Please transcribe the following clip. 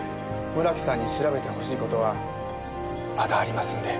村木さんに調べてほしい事はまだありますんで。